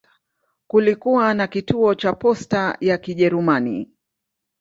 Kulikuwa na kituo cha posta ya Kijerumani.